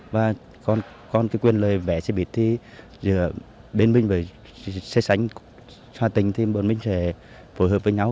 và còn cái quyền lời vé xe buýt thì giữa bên mình và xe sánh hà tĩnh thì mình sẽ phối hợp với nhau